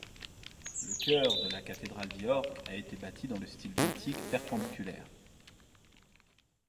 Le chœur de la cathédrale d'York a été bâti dans le style gothique perpendiculaire.